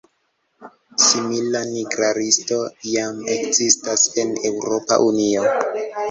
Simila "nigra listo" jam ekzistas en Eŭropa Unio.